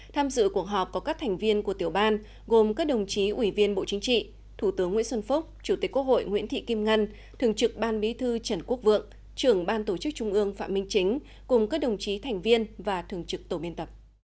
tham dự cuộc họp có các thành viên của tiểu ban gồm các đồng chí ủy viên bộ chính trị thủ tướng nguyễn xuân phúc chủ tịch quốc hội nguyễn thị kim ngân thường trực ban bí thư trần quốc vượng trưởng ban tổ chức trung ương phạm minh chính cùng các đồng chí thành viên và thường trực tổ biên tập